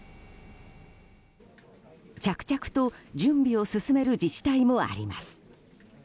着々と準備を進める自治体もあります。